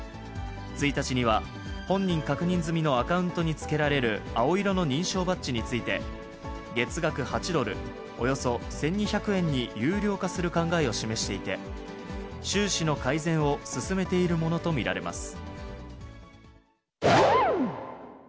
１日には、本人確認済みのアカウントにつけられる青色の認証バッジについて、月額８ドル、およそ１２００円に有料化する考えを示していて、収支の改善を進めているものと見られます。